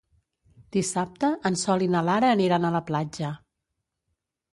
Dissabte en Sol i na Lara aniran a la platja.